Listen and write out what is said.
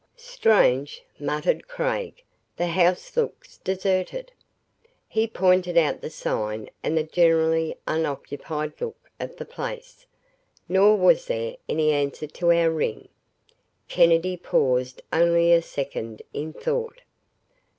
"Strange," muttered Craig. "The house looks deserted." He pointed out the sign and the generally unoccupied look of the place. Nor was there any answer to our ring. Kennedy paused only a second, in thought.